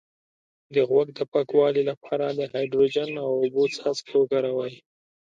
د غوږ د پاکوالي لپاره د هایدروجن او اوبو څاڅکي وکاروئ